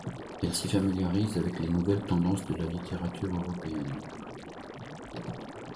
Elle s'y familiarise avec les nouvelles tendances de la littérature européenne.